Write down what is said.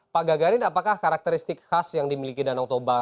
pak gagarin apakah karakteristik khas yang dimiliki danau toba